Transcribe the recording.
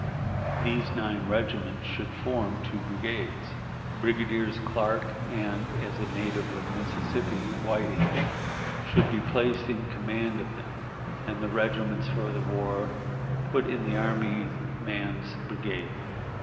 These nine regiments should form two brigades. Brigadiers Clark and (as a native of Mississippi) Whiting should be placed in command of them, and the regiments for the war put in the army man's brigade.